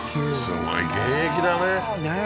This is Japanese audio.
すごい現役だねねえ